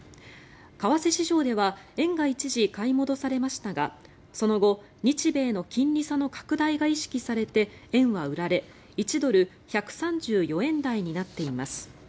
為替市場では円が一時買い戻されましたがその後、日米の金利差の拡大が意識されて円は売られ１ドル＝１３４円台になっています。